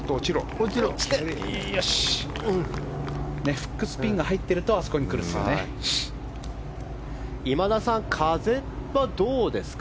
フックスピンが入ってるとあそこにくるんですよね。